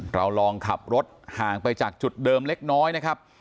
เราลองขับรถห่างไปจากจุดเดิมเล็กน้อยนะครับ